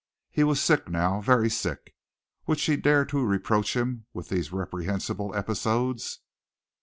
He was sick now, very sick. Would she dare to reproach him with these reprehensible episodes?